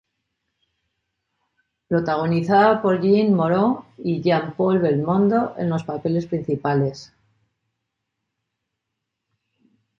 Protagonizada por Jeanne Moreau y Jean-Paul Belmondo en los papeles principales.